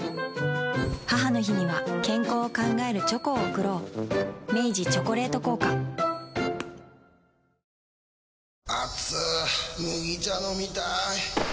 母の日には健康を考えるチョコを贈ろう明治「チョコレート効果」やさしいマーン！！